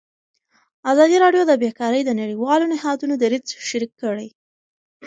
ازادي راډیو د بیکاري د نړیوالو نهادونو دریځ شریک کړی.